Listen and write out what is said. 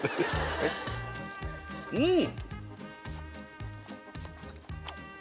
うん！